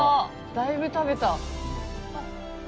だいぶ食べた。